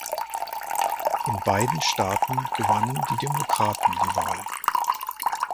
In beiden Staaten gewannen die Demokraten die Wahl.